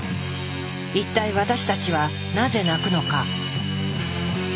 一体私たちはなぜ泣くのか？